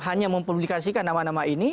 hanya mempublikasikan nama nama ini